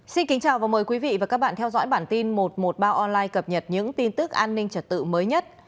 xin kính chào và mời quý vị và các bạn theo dõi bản tin một trăm một mươi ba online cập nhật những tin tức an ninh trật tự mới nhất